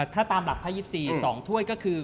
ถ้าตามหลักพระยิบสี่สองถ้วยก็คือ